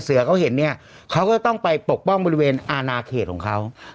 เสือเขาเห็นเนี่ยเขาก็ต้องไปปกป้องบริเวณอาณาเขตของเขา